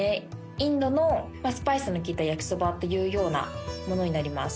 インドのスパイスの利いた焼きそばというようなものになります。